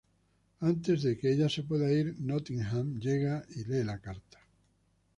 Antes de que ella se pueda ir, Nottingham llega y lee la carta.